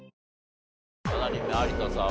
７人目有田さん